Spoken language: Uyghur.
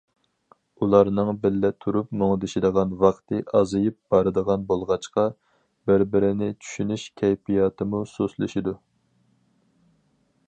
ئۇلارنىڭ بىللە تۇرۇپ مۇڭدىشىدىغان ۋاقتى ئازىيىپ بارىدىغان بولغاچقا، بىر- بىرىنى چۈشىنىش كەيپىياتىمۇ سۇسلىشىدۇ.